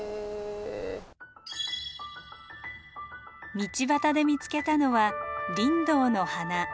道端で見つけたのはリンドウの花。